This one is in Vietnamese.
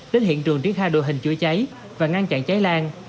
đến hiện trường triển khai đội hình chữa cháy và ngăn chặn cháy lan